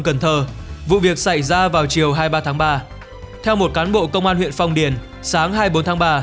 cần thơ vụ việc xảy ra vào chiều hai mươi ba tháng ba theo một cán bộ công an huyện phong điền sáng hai mươi bốn tháng ba